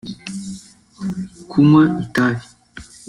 kunywa itabi